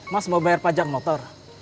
mas mau bayar pajak motor